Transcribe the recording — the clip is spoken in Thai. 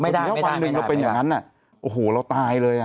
ไม่ได้ไม่ได้ไม่ได้ไม่ได้